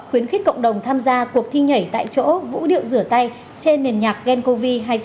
khuyến khích cộng đồng tham gia cuộc thi nhảy tại chỗ vũ điệu rửa tay trên nền nhạc gencov